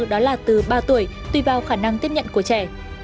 đó là từ ba tuổi tùy vào khả năng tiếp nhận của trẻ